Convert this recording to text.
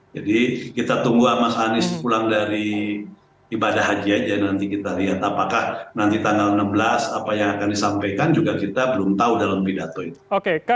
jadi kita tunggu mas anies pulang dari ibadah haji aja nanti kita lihat apakah nanti tanggal enam belas apa yang akan disampaikan juga kita belum tahu dalam pidato itu